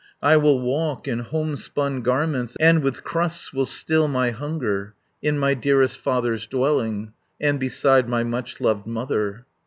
I will walk in home spun garments, And with crusts will still my hunger, In my dearest father's dwelling, And beside my much loved mother.'"